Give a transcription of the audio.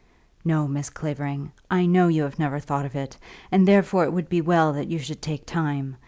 "No, Miss Clavering; I know you have never thought of it, and therefore it would be well that you should take time.